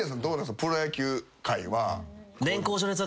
プロ野球界は。